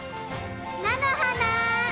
なのはな！